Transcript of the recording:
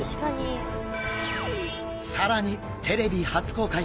更にテレビ初公開！